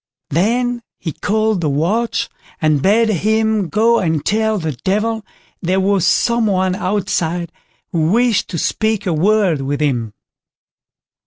Then he called the watch, and bade him go and tell the Devil there was some one outside who wished to speak a word with him.